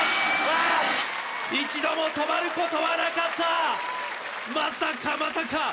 一度も止まることはなかったまさか